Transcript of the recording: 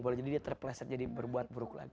boleh jadi dia terpleset jadi berbuat buruk lagi